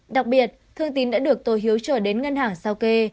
đặc biệt thương tín đã được tô hiếu trở đến ngân hàng sao kê